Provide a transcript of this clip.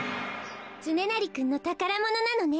つねなりくんのたからものなのね。